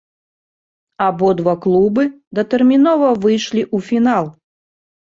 Абодва клубы датэрмінова выйшлі ў фінал.